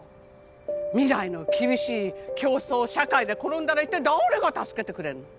未来の厳しい競争社会で転んだらいったい誰が助けてくれるの？